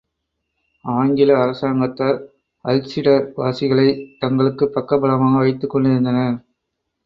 ஆங்கில அரசாங்கத்தார் அல்ஸ்டர்வாசிகளைத் தங்களுக்குப் பக்கபலமாக வைத்துக் கொண்டிருந்தனர்.